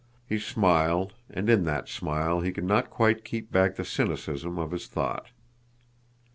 He smiled, and in that smile he could not quite keep back the cynicism of his thought.